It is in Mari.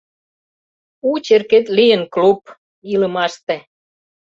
У черкет лийын клуб!» «Илымаште